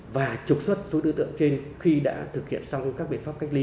và trục xuất số đối tượng trên khi đã thực hiện xong các biện pháp cách ly